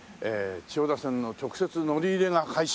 千代田線の直接乗り入れが開始。